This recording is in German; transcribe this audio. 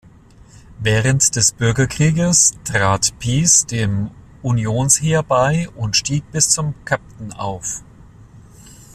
Während des Bürgerkrieges trat Pease dem Unionsheer bei und stieg bis zum Captain auf.